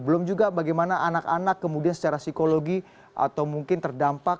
belum juga bagaimana anak anak kemudian secara psikologi atau mungkin terdampak